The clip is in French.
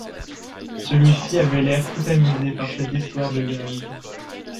Celui-ci avait l’air tout amusé par cette histoire de grève.